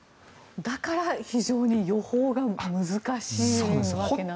だから非常に予報が難しいわけなんですね。